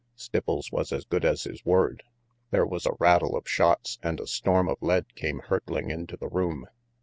Stipples was as good as his word. There was a rattle of shots and a storm of lead came hurtling into the room.